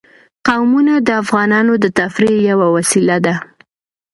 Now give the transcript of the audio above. قومونه د افغانانو د تفریح یوه وسیله ده.